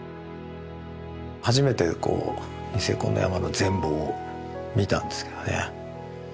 初めてこうニセコの山の全貌を見たんですけどね。